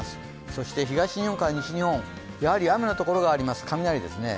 そして東日本から西日本雨の所があります、雷ですね。